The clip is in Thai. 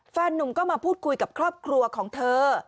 นุ่มก็มาพูดคุยกับครอบครัวของเธอ